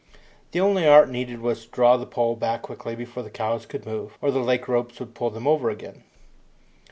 The only art needed was to draw the pole back quickly before the cows could move, or the leg ropes would pull them over again.